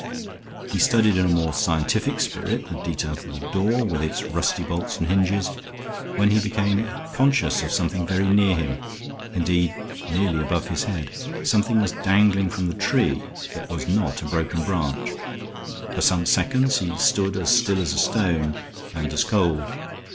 He studied in a more scientific spirit the details of the door, with its rusty bolts and hinges, when he became conscious of something very near him indeed, nearly above his head. Something was dangling from the tree that was not a broken branch. For some seconds he stood as still as a stone, and as cold.